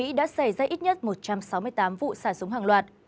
mỹ đã xảy ra ít nhất một trăm sáu mươi tám vụ xả súng hàng loạt